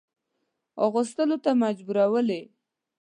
اغوستلو ته مجبورولې.